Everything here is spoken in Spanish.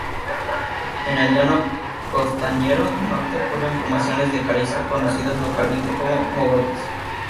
En el llano costanero del norte ocurren formaciones de caliza conocidas localmente como mogotes.